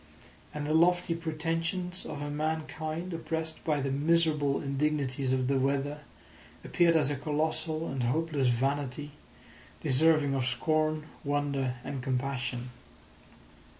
And the lofty pretensions of a mankind oppressed by the miserable indignities of the weather appeared as a colossal and hopeless vanity deserving of scorn, wonder, and compassion.